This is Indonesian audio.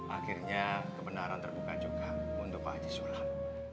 akhirnya kebenaran terbuka juga untuk pak haji sullah